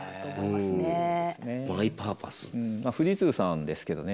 まあ富士通さんですけどね。